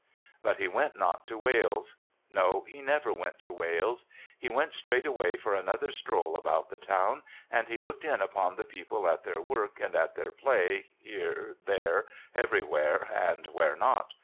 But he went not to Wales. No, he never went to \^'ales. He went straightway for another stroll about the town, and he looked in upon the people at their work, and at their ]>lay, here, there, everywhere, and where not.